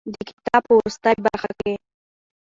د کتاب په وروستۍ برخه کې.